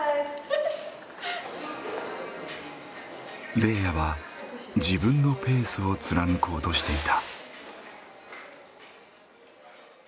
レイヤは自分のペースを貫こうとしていた。